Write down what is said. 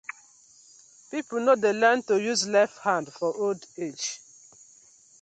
Person no dey learn to use left hand for old age: